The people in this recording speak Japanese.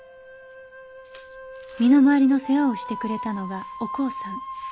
身の回りの世話をしてくれたのがお孝さん。